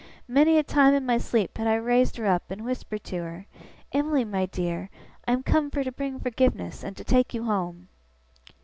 Many a time in my sleep had I raised her up, and whispered to her, "Em'ly, my dear, I am come fur to bring forgiveness, and to take you home!"